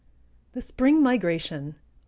THE SPRING MIGRATION. I.